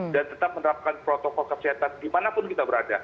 dan tetap menerapkan protokol kesehatan dimanapun kita berada